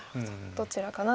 どちらかなと。